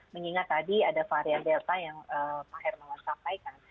mengingat tadi ada varian delta yang pak hermawan sampaikan